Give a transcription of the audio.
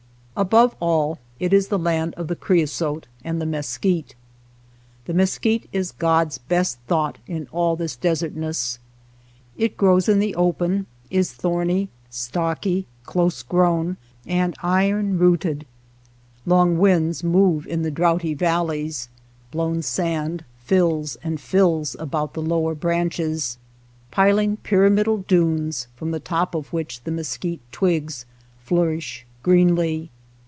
Above all, it is the land of the creosote and the mesquite. The mesquite is Gods best thought in all this desertness. It grows 86 SHOSHONE LAND in the open, is thorny, stocky, close grown, and iron rooted. Long winds move in the draughty valleys, blown sand fills and fills about the lower branches, piling pyramidal dunes, from the top of which the mesquite twigs flourish greenly.